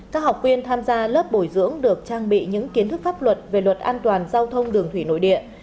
các học viên tham gia lớp bồi dưỡng được trang bị những kiến thức pháp luật về luật an toàn giao thông đường thủy nội địa